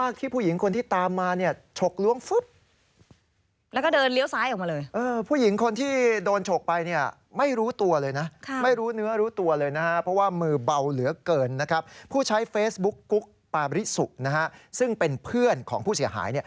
กุ๊กปาริสุซึ่งเป็นเพื่อนของผู้เสียหาย